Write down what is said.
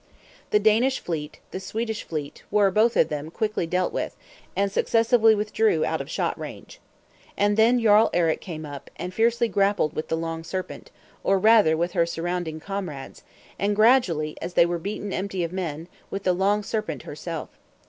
The Danish fleet, the Swedish fleet, were, both of them, quickly dealt with, and successively withdrew out of shot range. And then Jarl Eric came up, and fiercely grappled with the Long Serpent, or, rather, with her surrounding comrades; and gradually, as they were beaten empty of men, with the Long Serpent herself.